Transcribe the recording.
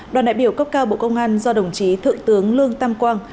đoàn đại biểu cấp cao bộ công an do đồng chí thượng tướng lương tam quang